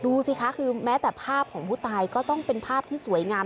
ดูสิคะคือแม้แต่ภาพของผู้ตายก็ต้องเป็นภาพที่สวยงาม